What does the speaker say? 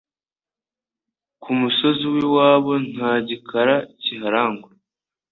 Ku musozi w' iwabo nta gikara kiharangwa